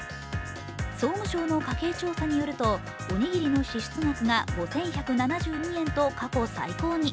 総務相の家計調査によるとおにぎりの支出額が５１７２円と過去最高に。